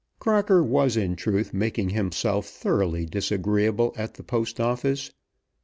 Crocker was in truth making himself thoroughly disagreeable at the Post Office.